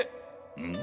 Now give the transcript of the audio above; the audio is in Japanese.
うん？